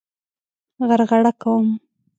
غرغړه کوم.